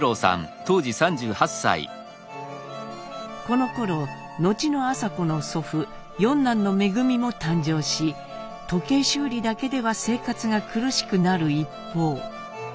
このころ後の麻子の祖父四男の恩も誕生し時計修理だけでは生活が苦しくなる一方。